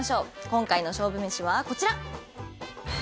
今回の勝負めしはこちら。